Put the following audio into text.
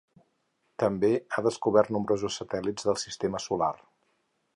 També ha descobert nombrosos satèl·lits del sistema solar.